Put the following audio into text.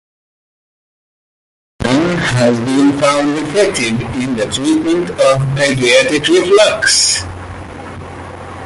Domperidone has been found effective in the treatment of pediatric reflux.